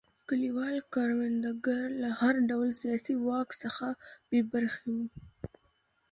کلیوال کروندګر له هر ډول سیاسي واک څخه بې برخې وو.